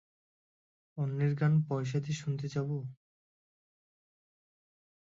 অন্যের গান পয়সা দিয়ে শুনতে যাব?